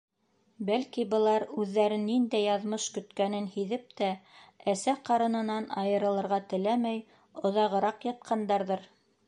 Бәлки, былар үҙҙәрен ниндәй яҙмыш көткәнен һиҙеп тә әсә ҡарынынан айырылырға теләмәй оҙағыраҡ ятҡандарҙыр?!